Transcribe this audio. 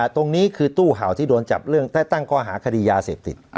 ตรงนี้คือตู้เห่าที่โดนจับเรื่องได้ตั้งข้อหาคดียาเสพติด